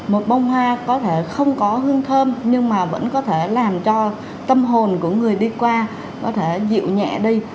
một bông hoa có thể không có hương thơm nhưng mà vẫn có thể làm cho tâm hồn của người đi qua có thể dịu nhẹ đi